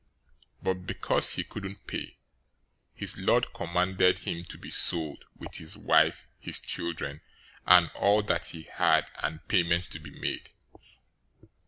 } 018:025 But because he couldn't pay, his lord commanded him to be sold, with his wife, his children, and all that he had, and payment to be made.